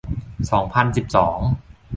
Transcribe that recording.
สองพันสิบสอง